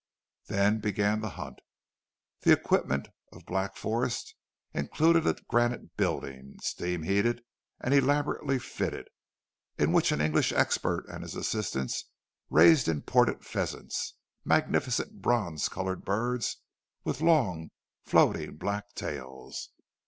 Then began the hunt. The equipment of "Black Forest" included a granite building, steam heated and elaborately fitted, in which an English expert and his assistants raised imported pheasants—magnificent bronze coloured birds with long, floating black tails.